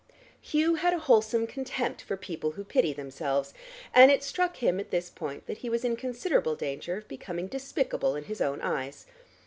Hugh had a wholesome contempt for people who pity themselves, and it struck him at this point that he was in considerable danger of becoming despicable in his own eyes.